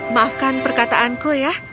maafkan perkataanku ya